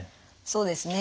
そうですね。